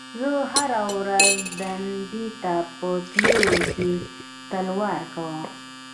زه هره ورځ دندې ته په تللو کې تلوار کوم.